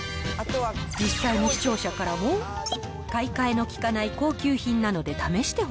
実際に視聴者からも、買い替えのきかない高級品なので、試してほ